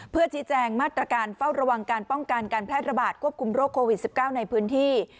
เพื่อชี้แจงมาตรการเฝ้าระวังการป้องกันการแพร่ระบาดควบคุมโรคโควิด๑๙ในพื้นที่